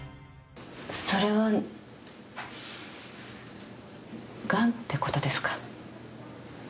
それはがんってことですか？